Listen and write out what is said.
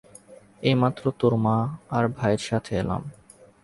এইমাত্র তোর মা আর ভাইয়ের সাথে এলাম।